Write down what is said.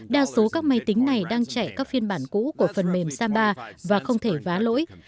đa số các máy tính này đang chạy các phiên bản cũ của phần mềm samba và không thể vá lỗi